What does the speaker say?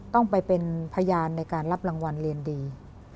ต้องไปเป็นพยานในการรับรางวัลเรียนดี